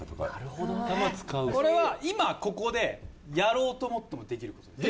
これは今ここでやろうと思ってもできる事です。